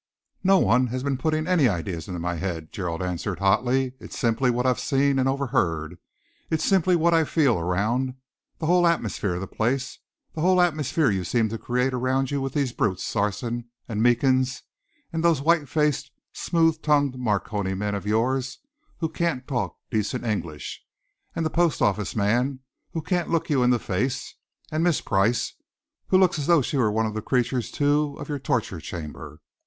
"No one has been putting any ideas into my head," Gerald answered hotly. "It's simply what I've seen and overheard. It's simply what I feel around, the whole atmosphere of the place, the whole atmosphere you seem to create around you with these brutes Sarson and Meekins; and those white faced, smooth tongued Marconi men of yours, who can't talk decent English; and the post office man, who can't look you in the face; and Miss Price, who looks as though she were one of the creatures, too, of your torture chamber.